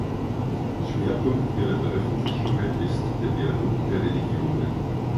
Schwerpunkt ihrer Veröffentlichungen ist der Dialog der Religionen.